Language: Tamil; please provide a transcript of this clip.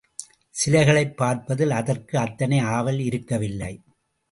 சிலைகளைப் பார்ப்பதில் அதற்கு அத்தனை ஆவல் இருக்கவில்லை.